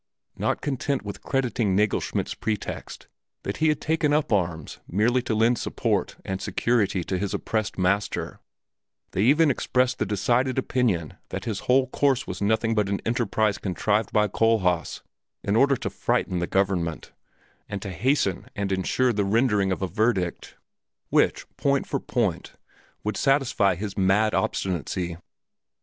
Not content with crediting Nagelschmidt's pretext that he had taken up arms merely to lend support and security to his oppressed master, they even expressed the decided opinion that his whole course was nothing but an enterprise contrived by Kohlhaas in order to frighten the government, and to hasten and insure the rendering of a verdict, which, point for point, should satisfy his mad obstinacy.